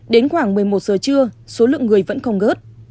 đến khoảng một mươi một giờ trưa số lượng người vẫn không gớt